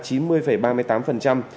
đoạn trên cao đạt chín mươi ba mươi tám